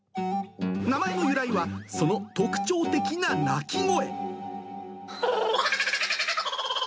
名前の由来は、その特徴的な鳴き声。